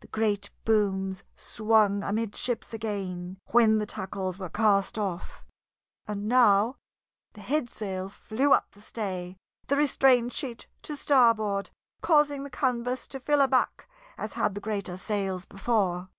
The great booms swung amidships again when the tackles were cast off, and now the headsail flew up the stay, the restrained sheet to starboard causing the canvas to fill aback as had the greater sails before.